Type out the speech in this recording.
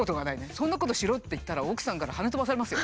そんなことしろって言ったら奥さんからはね飛ばされますよ。